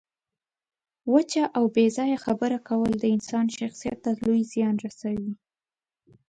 وچه او بې ځایه خبره کول د انسان شخصیت ته لوی زیان رسوي.